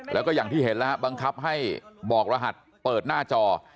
แล้วก็อย่างที่เห็นแล้วบังคับให้บอกรหัสเปิดหน้าจอ